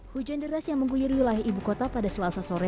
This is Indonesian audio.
hujan deras yang mengguyur wilayah ibu kota pada selasa sore